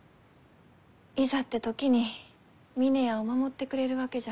いざって時に峰屋を守ってくれるわけじゃ。